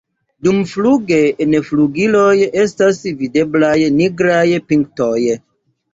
Dumfluge en flugiloj estas videblaj nigraj pintoj.